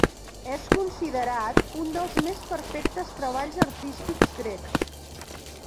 És considerat un dels més perfectes treballs artístics grecs.